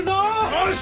よし！